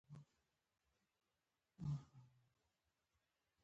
هګۍ د کورنیو خوړو اساسي برخه ده.